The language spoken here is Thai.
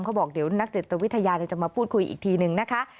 เขาบอกเดี๋ยวนักจิตวิทยาจะมาพูดคุยอีกทีนึงนะคะ